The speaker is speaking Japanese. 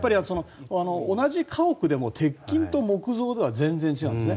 同じ家屋でも鉄筋と木造では全然違うんですね。